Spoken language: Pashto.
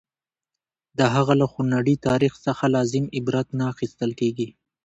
د هغه له خونړي تاریخ څخه لازم عبرت نه اخیستل کېږي.